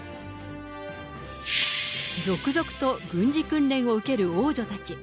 続々と軍事訓練を受ける王女たち。